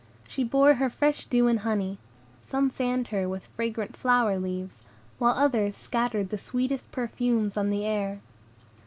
Some bore her fresh dew and honey, some fanned her with fragrant flower leaves, while others scattered the sweetest perfumes on the air.